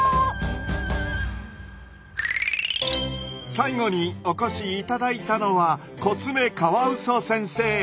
最後にお越し頂いたのはコツメカワウソ先生。